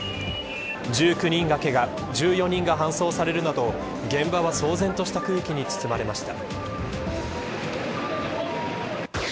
１９人がけが１４人が搬送されるなど現場は騒然とした空気に包まれました。